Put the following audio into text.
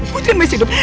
putri masih hidup